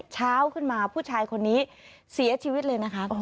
เช้าขึ้นมาผู้ชายคนนี้เสียชีวิตเลยนะคะ